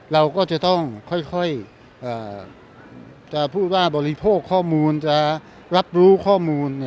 เราก็จะต้องค่อยจะพูดว่าบริโภคข้อมูลจะรับรู้ข้อมูล